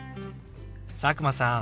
佐久間さん